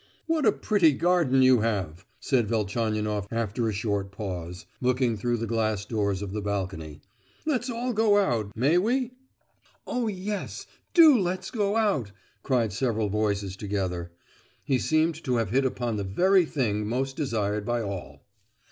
"What a pretty garden you have!" said Velchaninoff after a short pause, looking through the glass doors of the balcony. "Let's all go out; may we?" "Oh, yes! do let's go out!" cried several voices together. He seemed to have hit upon the very thing most desired by all.